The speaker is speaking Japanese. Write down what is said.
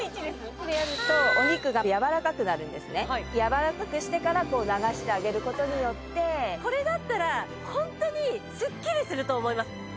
これやるとお肉が柔らかくなるんですねで柔らかくしてからこう流してあげることによってこれだったらホントにスッキリすると思います